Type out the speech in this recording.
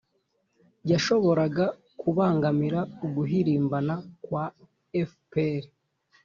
yashoboraga kubangamira uguhirimbana kwa fpr